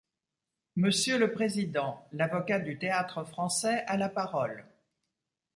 Monsieur le président : L'avocat du Théâtre-Français a la parole.